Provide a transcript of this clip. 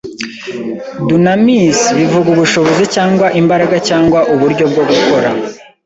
Dunamis bivuga ubushobozi cyangwa imbaraga cyangwa uburyo bwo gukora